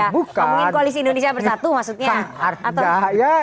ngomongin koalisi indonesia bersatu maksudnya